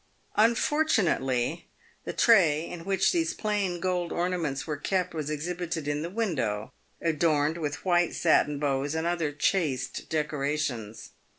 Unfortunately, the tray in which these plain gold ornaments were kept was exhibited in the window, adorned with white satin bows and other chaste decorations.